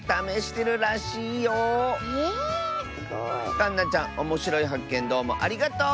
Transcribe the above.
かんなちゃんおもしろいはっけんどうもありがとう！